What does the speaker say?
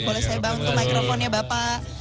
boleh saya bantu mikrofonnya bapak